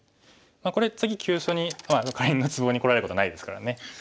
これ次急所にカリンのツボにこられることないですからね。